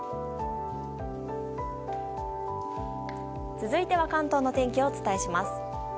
続いては関東の天気をお伝えします。